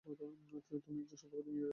তুমি একজন সত্যবাদী মেয়ে, রক্সি।